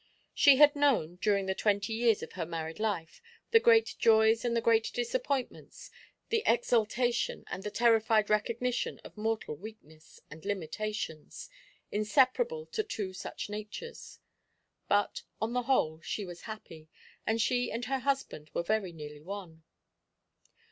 She had known, during the twenty years of her married life, the great joys and the great disappointments, the exaltation and the terrified recognition of mortal weakness and limitations, inseparable to two such natures. But, on the whole, she was happy, and she and her husband were very nearly one.